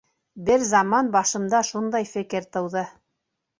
Бер заман башымда шундай фекер тыуҙы.